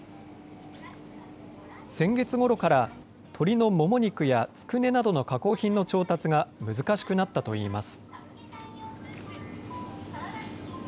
先月ごろから鶏のもも肉やつくねなどの加工品の調達が難しくなったといいます。